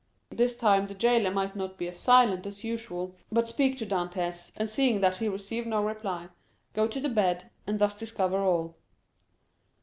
This time the jailer might not be as silent as usual, but speak to Dantès, and seeing that he received no reply, go to the bed, and thus discover all.